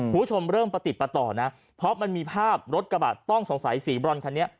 คุณผู้ชมเริ่มประติดประต่อนะเพราะมันมีภาพรถกระบะต้องสงสัยสีบรอนคันนี้